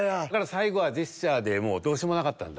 最後はジェスチャーでもうどうしようもなかったんだ。